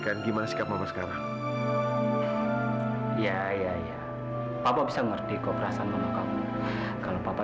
kan gimana sikap mama sekarang ya ya ya papa bisa ngerti kau perasaan mama kamu kalau papa